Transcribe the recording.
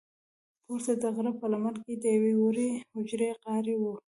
پورته د غره په لمنه کې د یوې وړې حجرې غار و.